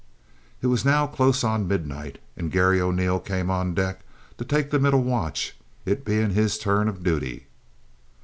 It was now close on midnight and Garry O'Neil came on deck to take the middle watch, it being his turn of duty.